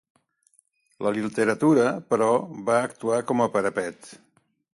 La literatura, però, va actuar com a parapet.